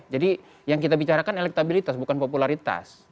jadi yang kita bicarakan elektabilitas bukan popularitas